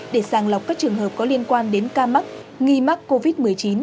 để sàng lọc các trường hợp có liên quan đến ca mắc nghi mắc covid một mươi chín